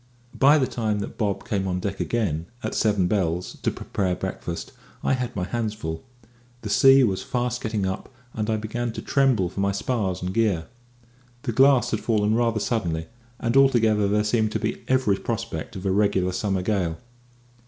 By the time that Bob came on deck again, at seven bells, to prepare breakfast, I had my hands full. The sea was fast getting up, and I began to tremble for my spars and gear. The glass had fallen rather suddenly, and altogether there seemed to be every prospect of a regular summer gale.